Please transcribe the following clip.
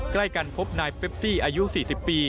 ใกล้กันพบนายเปปซี่อายุ๔๐ปี